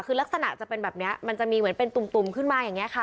คือลักษณะจะเป็นแบบนี้มันจะมีเหมือนเป็นตุ่มขึ้นมาอย่างนี้ค่ะ